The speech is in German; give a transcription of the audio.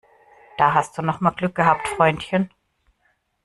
Da hast du noch mal Glück gehabt, Freundchen!